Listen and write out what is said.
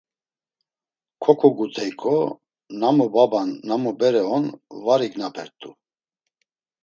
Koǩogut̆eyǩo, namu baba’n, namu bere on var ignapert̆u.